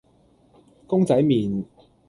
公仔麪